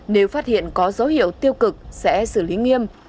nếu phát hiện có dấu hiệu tiêu cực sẽ xử lý nghiêm